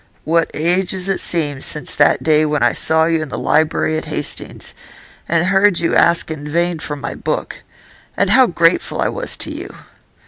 'What ages it seems since that day when I saw you in the library at Hastings, and heard you ask in vain for my book! And how grateful I was to you!